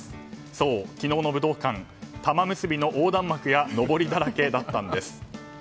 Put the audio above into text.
そう、昨日の武道館たまむすびの横断幕やのぼりだらけだったんです。